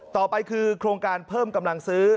ต่อไปคือโครงการเพิ่มกำลังซื้อ